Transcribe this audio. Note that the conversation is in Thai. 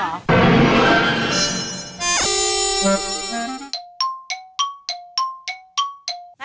สวัสดีครับ